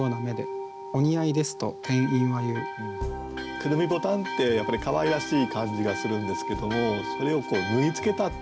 くるみボタンってやっぱりかわいらしい感じがするんですけどもそれを「縫い付けた」っていうのでね